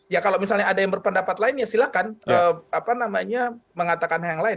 ya kalau misalnya ada yang berpendapat lain ya silahkan mengatakan yang lain